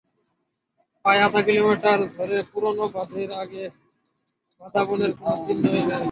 প্রায় আধা কিলোমিটার ধরে পুরোনো বাঁধের আগে বাদাবনের কোনো চিহ্নই নেই।